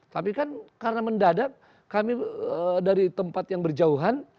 tapi kan karena mendadak kami dari tempat yang berjauhan